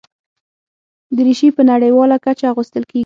دریشي په نړیواله کچه اغوستل کېږي.